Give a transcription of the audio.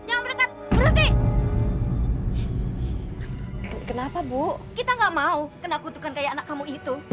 ya pak terima kasih memang pak